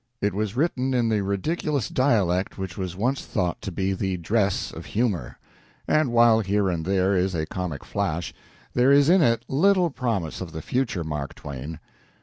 It was written in the ridiculous dialect which was once thought to be the dress of humor; and while here and there is a comic flash, there is in it little promise of the future Mark Twain.